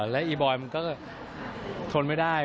และอีบอยมันก็ทนไม่ได้